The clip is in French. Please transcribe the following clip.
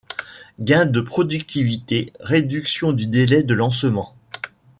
Gains de productivité, réduction du délai de lancement.